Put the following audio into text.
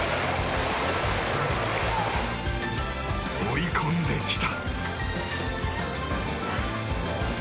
追い込んできた。